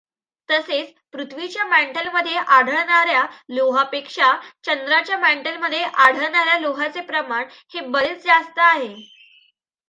तसेच पृथ्वीच्या मँटलमध्ये आढळणाऱ्या लोहापेक्षा चंद्राच्या मँटलमध्ये आढळणाऱ्या लोहाचे प्रमाण हे बरेच जास्त आहे.